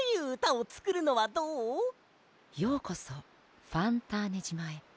「ようこそファンターネ島へ」